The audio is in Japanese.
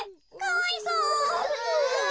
かわいそう。